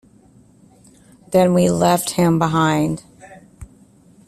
Then we left him behind.